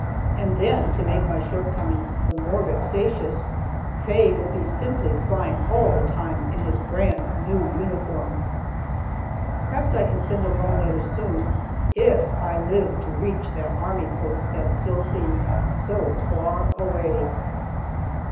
And then, to make my shortcomings the more vexatious, Faye will be simply fine all the time, in his brand new uniform! Perhaps I can send a long letter soon if I live to reach that army post that still seems so far away.